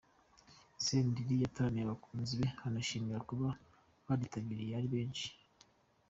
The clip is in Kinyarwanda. Senderi yataramiye abakunzi be anishimira kuba baritabiriye ari benshi.